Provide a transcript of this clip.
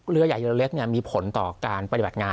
เรือใหญ่เรือเล็กมีผลต่อการปฏิบัติงาน